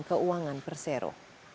kesehatan keuangan persero